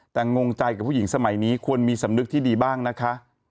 แต่งงใจกับผู้หญิงสมัยนี้ควรมีสำนึกที่ดีบ้างนะคะ